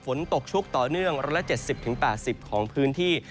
ฝนตกชุกต่อเนื่อง๑๗๐๘๐ของพื้นที่